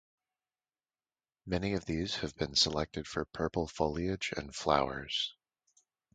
Many of these have been selected for purple foliage and flowers.